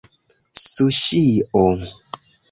suŝio